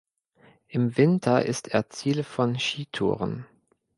Im Winter ist er Ziel von Skitouren.